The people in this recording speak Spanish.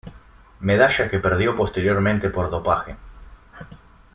Medalla que perdió posteriormente por dopaje.